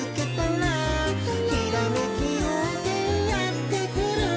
「ひらめきようせいやってくる」